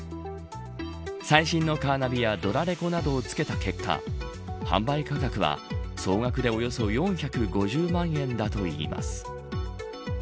最新のカーナビやドラレコなどをつけた結果販売価格は総額でおよそ４５０万円だといいます。